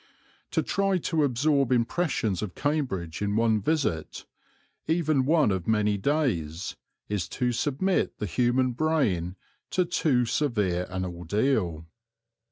To try to absorb impressions of Cambridge in one visit, even one of many days, is to submit the human brain to too severe an ordeal.